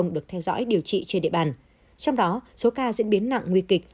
được theo dõi điều trị trên địa bàn trong đó số ca diễn biến nặng nguy kịch